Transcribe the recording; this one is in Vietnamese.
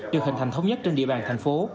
được hình thành thống nhất trên địa bàn thành phố